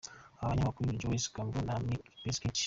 Abo banyamakuru ni Joe Scarborough na Mika Brzezinski.